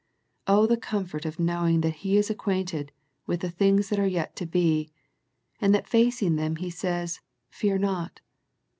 Oh, the comfort of knowing that He is acquainted with the things that are yet to be, and that facing them He says " fear not."